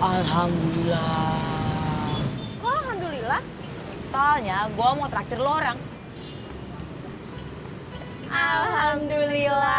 alhamdulillah alhamdulillah soalnya gua mau traktir lorang alhamdulillah